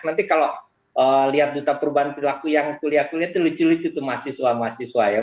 nanti kalau lihat duta perubahan perilaku yang kuliah kuliah itu lucu lucu tuh mahasiswa mahasiswa ya